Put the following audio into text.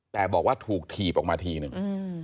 แต่บอกว่าถูกถีบออกมาทีหนึ่ง